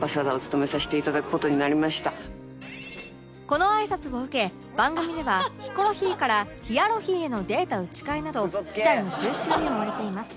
このあいさつを受け番組ではヒコロヒーからヒアロヒーへのデータ打ち替えなど事態の収拾に追われています